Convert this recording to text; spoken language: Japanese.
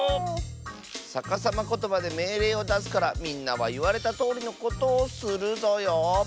さかさまことばでめいれいをだすからみんなはいわれたとおりのことをするぞよ！